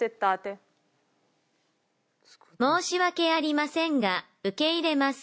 「申し訳ありませんが受け入れます」